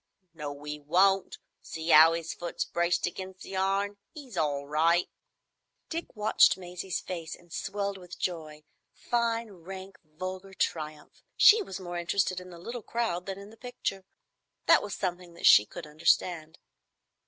"No, 'e won't. See 'ow 'is foot's braced against the iron? 'E's all right." Dick watched Maisie's face and swelled with joy—fine, rank, vulgar triumph. She was more interested in the little crowd than in the picture. That was something that she could understand.